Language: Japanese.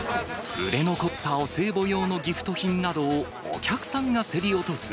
売れ残ったお歳暮用のギフト品などを、お客さんが競り落とす